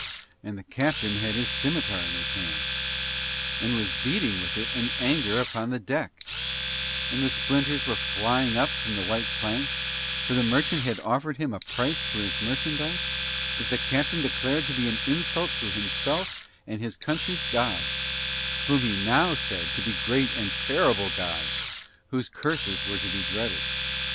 And the captain had his scimitar in his hand, and was beating with it in anger upon the deck, and the splinters were flying up from the white planks; for the merchant had offered him a price for his merchandise that the captain declared to be an insult to himself and his country's gods, whom he now said to be great and terrible gods, whose curses were to be dreaded.